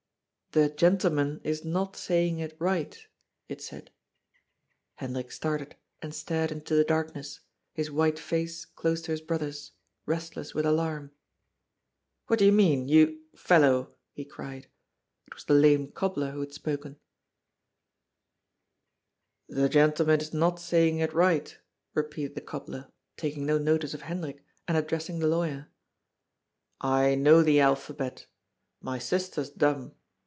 " The gentleman is not saying it right," it said. Hendrik started and stared into the darkness, his white face close to his brother's, restless with alarm. " What do you mean — you — fellow ?" he cried. It was the lame cobbler who had spoken. SHOEMAKER, STICK TO THY LAST. 419 "The gentleman is not saying it right," repeated the cobbler, taking no notice of Hendrik and addressing the lawyer. "I know the alphabet; my sister's dumb.